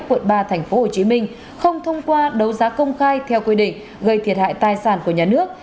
quận ba tp hcm không thông qua đấu giá công khai theo quy định gây thiệt hại tài sản của nhà nước